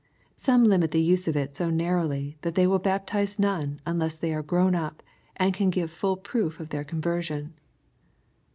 Some limit the use of it so narrowly that they will baptize none unless they are gk own up, and can give full proof of their conversion.